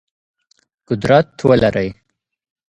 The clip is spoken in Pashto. قدرت ولرئ.